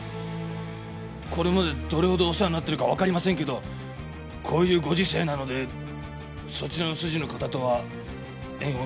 これまでどれほどお世話になっているかわかりませんけどこういうご時世なのでそちらの筋の方とは縁を切らせて頂いております！